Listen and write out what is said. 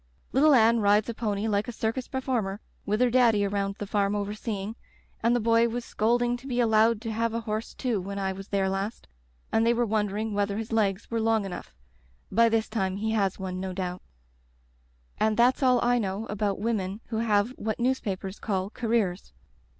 Little Anne rides a pony like a circus performer, with her daddy around the farm overseeing, and the boy was scolding to be allowed to have a horse too when I was there last, and they were wondering whether his legs were long enough; by this time he has one, no doubt. "And that's all I know about women who have what newspapers call * careers.'